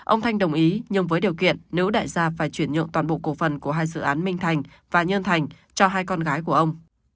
ông thanh đồng ý nhưng với điều kiện nếu đại gia phải chuyển nhượng toàn bộ cổ phần của hai dự án minh thành và nhân thành cho hai con gái của ông